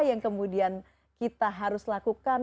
yang kemudian kita harus lakukan